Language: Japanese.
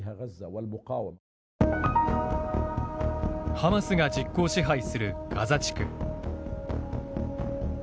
ハマスが実効支配するガザ地区。